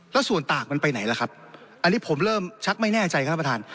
แล้วส่วนตากมันไปไหนล่ะครับอันนี้ผมเริ่มชักไม่แน่ใจครับท่านประธาน